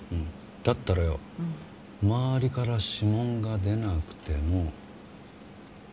だったらよ周りから指紋が出なくても。